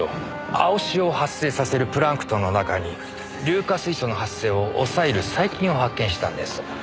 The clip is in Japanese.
青潮を発生させるプランクトンの中に硫化水素の発生を抑える細菌を発見したんです。